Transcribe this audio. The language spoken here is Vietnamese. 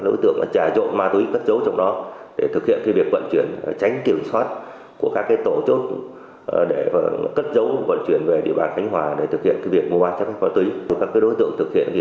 lực lượng cảnh sát điều tra tội phạm